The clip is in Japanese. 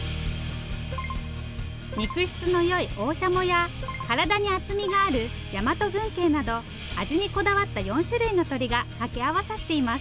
肉質の良い大シャモや体に厚みがある大和軍鶏など味にこだわった４種類の鶏が掛け合わさっています。